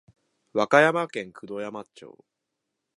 和歌山県九度山町